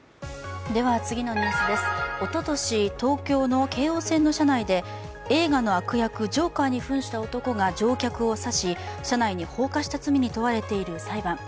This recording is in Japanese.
おととし東京の京王線の車内で、映画の悪役ジョーカーにふんした男が乗客を刺し車内に放火した罪に問われている裁判。